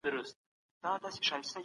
د بې وزلو ستونزي په ګډه حل کړئ.